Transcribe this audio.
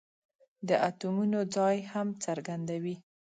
د اتومونو ځای هم څرګندوي.